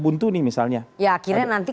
buntu nih misalnya ya akhirnya nanti